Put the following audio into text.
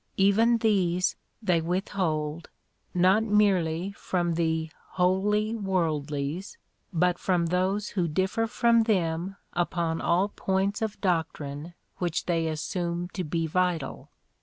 Even these they withhold, not merely from the wholly worldlies, but from those who differ from them upon all points of doctrine which they assume to be vital.